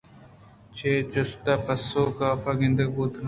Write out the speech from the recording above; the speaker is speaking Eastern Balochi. چے جست ءُچے پسو کاف گنگ بوتگ اَت